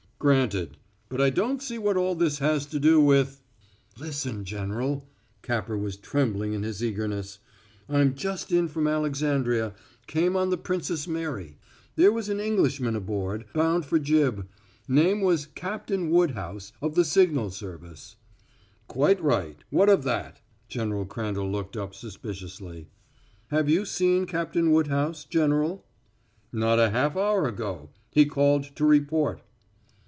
"Granted. But I don't see what all this has to do with " "Listen, General!" Capper was trembling in his eagerness. "I'm just in from Alexandria came on the Princess Mary. There was an Englishman aboard, bound for Gib. Name was Captain Woodhouse, of the signal service." "Quite right. What of that?" General Crandall looked up suspiciously. "Have you seen Captain Woodhouse, General?" "Not a half hour ago. He called to report."